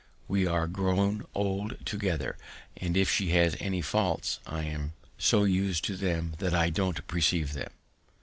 "We are grown old together, and if she has any faults, I am so used to them that I don't perceive them."